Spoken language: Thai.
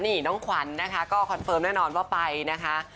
นี่น้องขวัญนะคะก็คอนเฟิร์มแน่นอนว่าไปนะคะ